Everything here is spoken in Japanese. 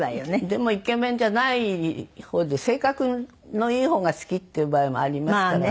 でもイケメンじゃない方で性格のいい方が好きっていう場合もありますからね。